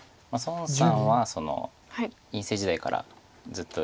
孫さんは院生時代からずっと。